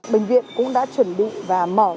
bệnh viện cũng đã chuẩn bị và mở